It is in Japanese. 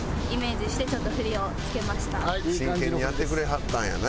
真剣にやってくれはったんやね。